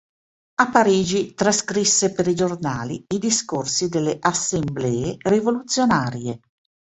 A Parigi trascrisse per i giornali i discorsi delle Assemblee Rivoluzionarie.